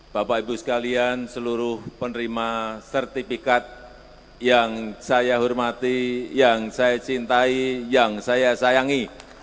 bapak ibu sekalian seluruh penerima sertifikat yang saya hormati yang saya cintai yang saya sayangi